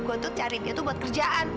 gue tuh cari dia tuh buat kerjaan